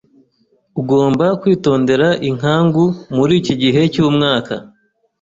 Ugomba kwitondera inkangu muri iki gihe cyumwaka.